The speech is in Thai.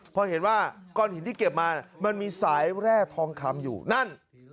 พอเห็นว่าก้อนหินที่เก็บมามันมีสายแร่ทองคำอยู่นั่น